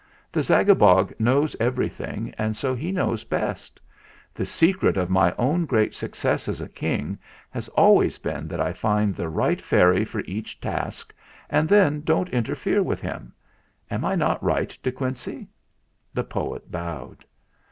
The Zagabog knows everything, and so he knows best. The secret of my own great success as a King has always been that I find the right fairy for each task and then don't interfere with him. Am I not right, De Quincey?" The poet bowed.